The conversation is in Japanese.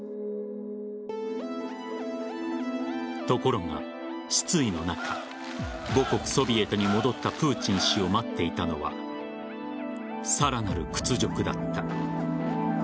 ところが、失意の中母国・ソビエトに戻ったプーチン氏を待っていたのはさらなる屈辱だった。